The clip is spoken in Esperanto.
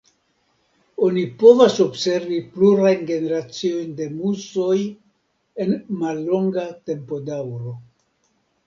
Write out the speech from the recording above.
Oni povas observi plurajn generaciojn de musoj en mallonga tempodaŭro.